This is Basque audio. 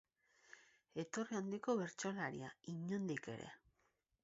Etorri handiko bertsolaria, inondik ere.